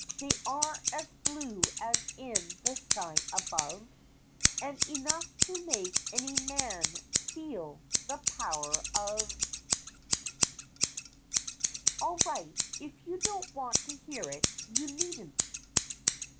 They are as blue as is the sky above, And enough to make any man feel the power of " THE DIFFICULT CASE 215 All right ; if you don't want to hear it, you needn't.